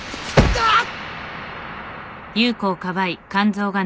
あっ！